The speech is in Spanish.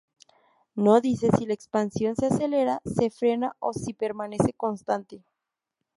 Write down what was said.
No dice si la expansión se acelera, se frena o si permanece constante.